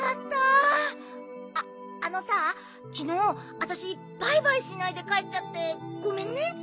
あっあのさきのうわたしバイバイしないでかえっちゃってごめんね。